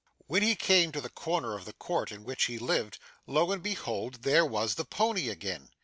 When he came to the corner of the court in which he lived, lo and behold there was the pony again!